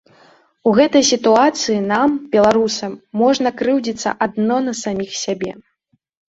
У гэтай сітуацыі нам, беларусам, можна крыўдзіцца адно на саміх сябе!